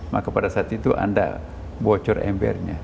maka pada saat itu anda bocor embernya